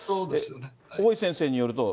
大井先生によると。